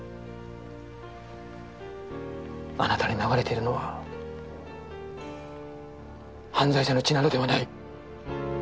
あなたに流れているのは犯罪者の血などではない。